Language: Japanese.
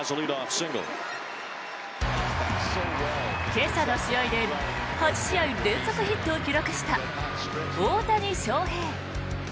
今朝の試合で８試合連続ヒットを記録した大谷翔平。